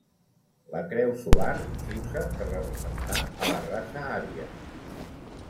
La creu solar s'usa per representar a la Raça ària.